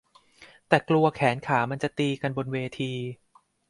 แต่กลัวแขนขามันจะตีกันบนเวที